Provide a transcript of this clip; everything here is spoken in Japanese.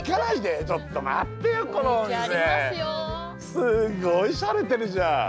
すっごいしゃれてるじゃん。